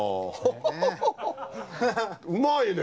うまいね。